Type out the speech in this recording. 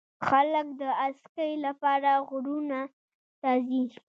خلک د اسکی لپاره غرونو ته ځي.